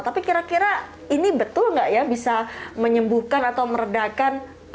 tapi kira kira ini betul nggak ya bisa menyembuhkan atau meredakan